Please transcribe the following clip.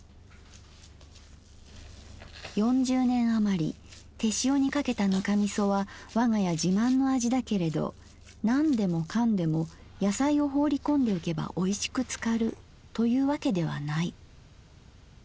「四十年あまり手塩にかけたぬかみそはわが家自慢の味だけれどなんでもかんでも野菜を放りこんでおけばおいしく漬かるというわけではない。